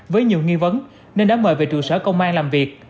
với nhiều nghi vấn nên đã mời về trụ sở công an làm việc